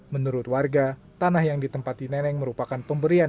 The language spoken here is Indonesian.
menurut warga tanah yang ditempati neneng merupakan pemberian